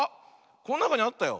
こんなかにあったよ。